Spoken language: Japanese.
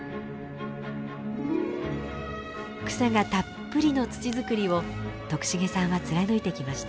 草がたっぷりの土づくりを徳重さんは貫いてきました。